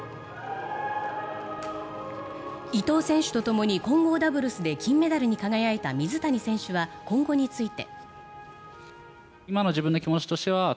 伊藤選手とともに混合ダブルスで金メダルに輝いた水谷選手は今後について。